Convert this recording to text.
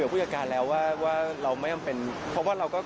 รับครับรับครับ